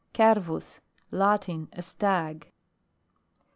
CERVUS. Latin. A stag.